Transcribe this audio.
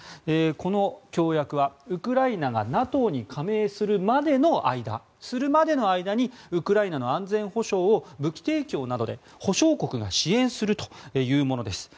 この協約はウクライナがＮＡＴＯに加盟するまでの間にウクライナの安全保障を武器提供などで保証国が支援するというものです。